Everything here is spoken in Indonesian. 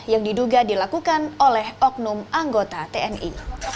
yang diduga dilakukan oleh oknum anggota tni